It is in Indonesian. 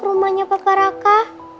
rumahnya pak raka